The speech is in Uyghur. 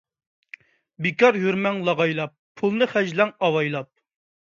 بىكار يۈرمەڭ لاغايلاپ، پۇلنى خەجلەڭ ئاۋايلاپ.